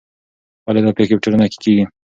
ولې دا پېښې په ټولنه کې کیږي؟